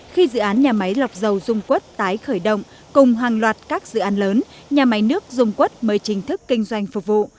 khi dự án nhà máy lọc dầu dung quất tái khởi động cùng hàng loạt các dự án lớn nhà máy nước dung quất mới chính thức kinh doanh phục vụ